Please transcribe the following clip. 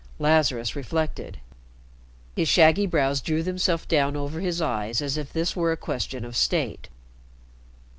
Lazarus reflected. His shaggy eyebrows drew themselves down over his eyes as if this were a question of state.